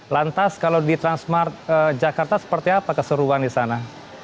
lantas kalau di transmart jakarta seperti apa keseruan di sana